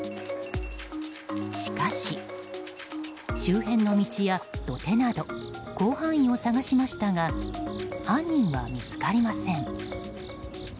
しかし、周辺の道や土手など広範囲を捜しましたが犯人は見つかりません。